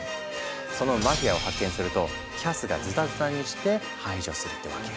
そのマフィアを発見するとキャスがズタズタにして排除するってわけ。